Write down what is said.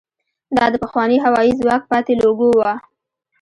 دا د پخواني هوايي ځواک پاتې لوګو وه.